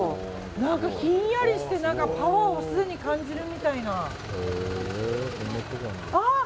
何かひんやりしてパワーをすでに感じるみたいな。